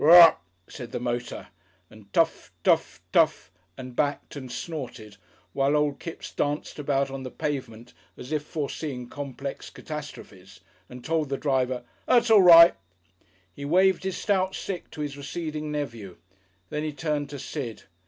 "Warrup!" said the motor, and tuff, tuff, tuff, and backed and snorted while old Kipps danced about on the pavement as if foreseeing complex catastrophes, and told the driver, "That's all right." He waved his stout stick to his receding nephew. Then he turned to Sid.